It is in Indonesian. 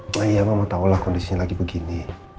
nah iya mama tahulah kondisinya lagi begini